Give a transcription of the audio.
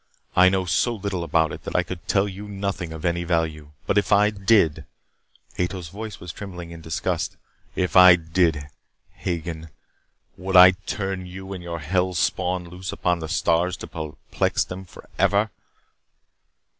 I know so little about it that I could tell you nothing of any value. But if I did," Ato's voice was trembling in disgust. "If I did, Hagen, would I turn you and your hells' spawn loose upon the stars to perplex them forever?"